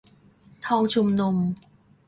ทองชุมนุม